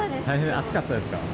暑かったですか？